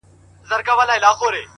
وروستی دیدن دی بیا به نه وي دیدنونه،